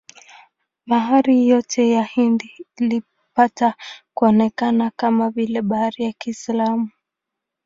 Bahari yote ya Hindi ilipata kuonekana kama vile bahari ya Kiislamu.